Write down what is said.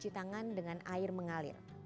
jangan lupa mencuci tangan dengan air mengalir